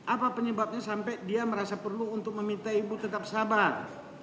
apa penyebabnya sampai dia merasa perlu untuk meminta ibu tetap sabar